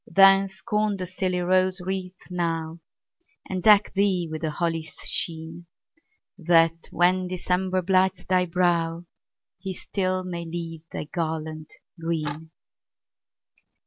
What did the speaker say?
Then, scorn the silly rose wreath now, And deck thee with the holly's sheen, That, when December blights thy brow, He still may leave thy garland green.